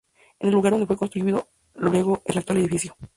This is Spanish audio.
En el lugar donde fue construido luego el actual edificio.